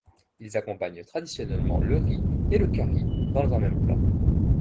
Ils accompagnent traditionnellement le riz et le carri dans un même plat.